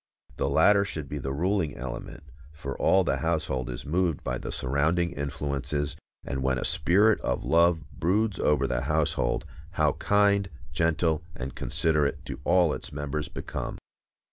The latter should be the ruling element, for all the household is moved by the surrounding influences, and when a spirit of love broods over the household, how kind, gentle, and considerate do all its members become!